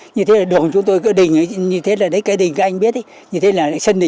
như thế là đường chúng tôi cứ đình như thế là cái đình anh biết như thế là sân đình